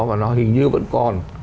và nó hình như vẫn còn